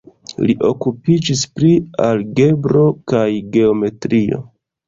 Li okupiĝis pri algebro kaj geometrio.